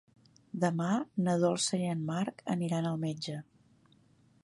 Demà na Dolça i en Marc aniran al metge.